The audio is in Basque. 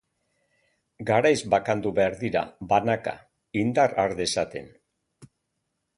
Garaiz bakandu behar dira, banaka, indar har dezaten.